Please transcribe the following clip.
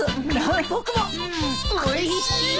おいしい。